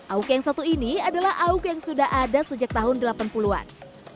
auke yang satu ini adalah auk yang sudah ada sejak tahun delapan puluh an